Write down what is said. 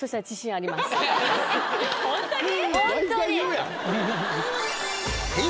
ホントに？